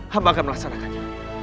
hamba akan melaksanakannya